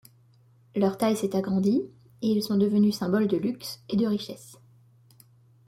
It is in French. Leur taille s'est agrandie et ils sont devenus symbole de luxe et de richesse.